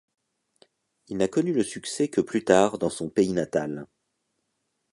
Il n'a connu le succès que plus tard dans son pays natal.